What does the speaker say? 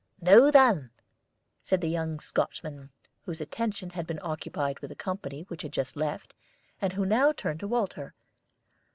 "Now, then," said the young Scotchman, whose attention had been occupied with the company which had just left, and who now turned to Walter.